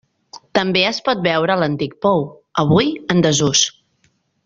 També es pot veure l'antic pou, avui en desús.